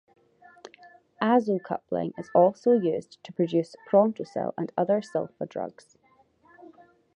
Azo coupling is also used to produce prontosil and other sulfa drugs.